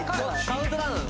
「カウントダウン」